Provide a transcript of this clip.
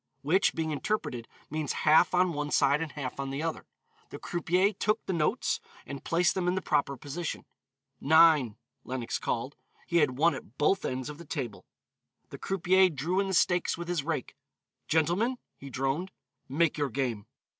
_" Which, being interpreted, means half on one side and half on the other. The croupier took the notes, and placed them in the proper position. "Nine," Lenox called; he had won at both ends of the table. The croupier drew in the stakes with his rake. "Gentlemen," he droned, "make your game."